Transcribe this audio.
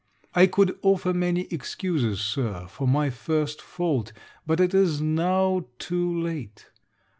I could offer many excuses, Sir, for my first fault; but it is now too late.